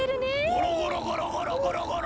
ゴロゴロゴロゴロゴロゴロ！